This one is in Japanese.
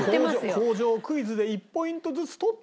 工場クイズで１ポイントずつ取ってだよ？